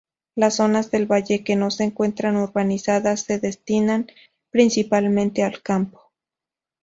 Las zonas del valle que no se encuentran urbanizadas se destinan principalmente al campo.